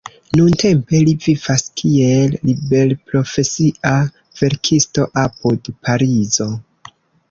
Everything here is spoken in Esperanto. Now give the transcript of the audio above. Nuntempe li vivas kiel liberprofesia verkisto apud Parizo.